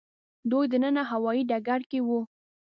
دوی دننه هوايي ډګر کې وو.